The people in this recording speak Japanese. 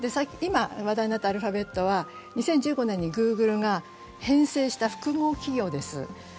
今、話題になったアルファベットは２０１５年にグーグルが編成した複合企業です。